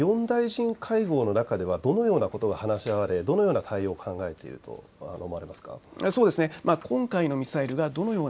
４大臣会合の中ではどのようなことが話し合われどのような対応、考えていると思われますか。